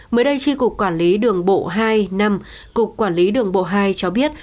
mới đây tri cục quản lý đường bộ hai năm cục quản lý đường bộ hai cho biết